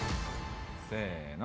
せーの。